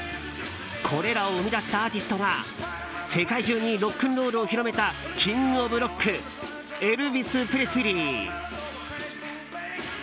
これらを生み出したアーティストが世界中にロックンロールを広めたキング・オブ・ロックエルヴィス・プレスリー。